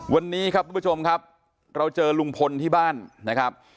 วันนี้ครับทุกผู้ชมครับเราเจอลุงพลที่บ้านนะครับ